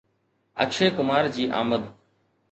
اڪشي ڪمار جي آمد